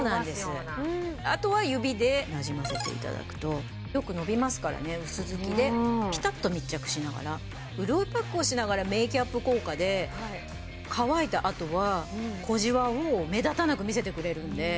あとは指でなじませていただくとよくのびますからね薄づきでピタっと密着しながら潤いパックをしながらメーキャップ効果で乾いた後は小じわを目立たなく見せてくれるんで。